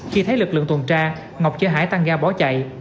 khi thấy lực lượng tuần tra ngọc cho hải tăng ga bỏ chạy